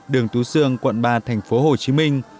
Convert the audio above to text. đường tú sương quận ba thành phố hồ chí minh